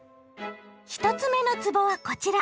１つ目のつぼはこちら。